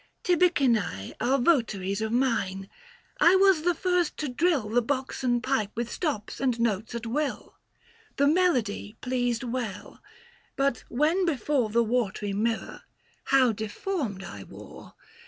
" Tibicinse Are votaries of mine. I was the first to drill The boxen pipe with stops and notes at will. The melody pleased well ; but when before 845 The watery mirror, how deformed I wore 204 THE FASTI. Book VI.